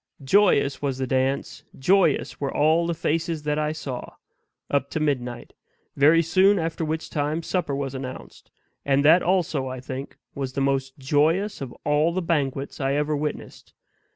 Joyous was the dance joyous were all faces that I saw up to midnight, very soon after which time supper was announced; and that also, I think, was the most joyous of all the banquets I ever witnessed.